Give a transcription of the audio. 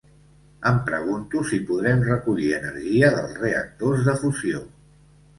Em pregunto si podrem recollir energia dels reactors de fusió.